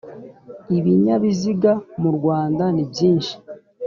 ibinyabiziga mu rwanda ni byinshi